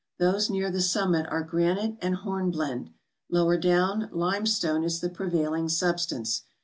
Those near the summit are granite and hornblende; lower down, limestone is the prevailing substance.